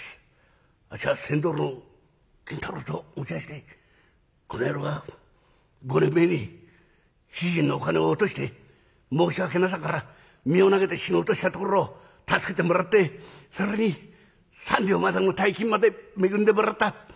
あっしは船頭の金太郎と申しましてこの野郎が５年前に主人のお金を落として申し訳なさから身を投げて死のうとしたところを助けてもらって更に３両までの大金まで恵んでもらった。